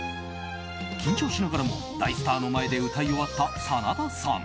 緊張しながらも大スターの前で歌い終わった真田さん。